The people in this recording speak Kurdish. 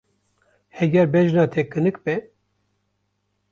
Heger bejna te kinik be.